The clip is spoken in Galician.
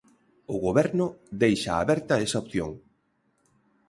O Goberno deixa aberta esa opción.